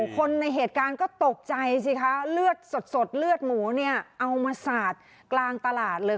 คนในเหตุการณ์ก็ตกใจสิคะเลือดสดเลือดหมูเนี่ยเอามาสาดกลางตลาดเลย